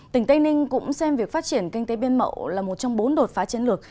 tỉnh tây ninh cũng xem việc phát triển kinh tế biên mậu là một trong bốn đột phá chiến lược